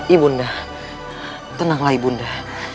ibunda tenanglah ibunda